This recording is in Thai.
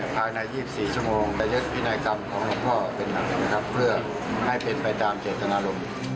ทำทร